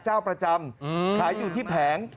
เจ้าประจำขายอยู่ที่แผง